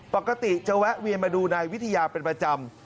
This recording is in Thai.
ปกติจะแวะเวียนมาดูนายวิทยาเป็นประจำ